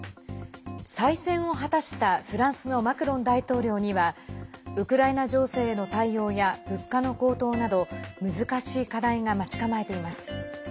再選を果たしたフランスのマクロン大統領にはウクライナ情勢への対応や物価の高騰など難しい課題が待ち構えています。